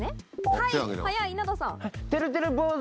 はい早い稲田さん。